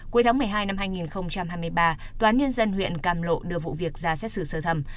cuối tháng một mươi hai năm hai nghìn hai mươi ba toán nhân dân huyện càm lộ đưa vụ việc ra xét xử sơ thầm